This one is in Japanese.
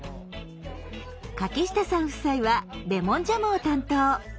柿下さん夫妻はレモンジャムを担当。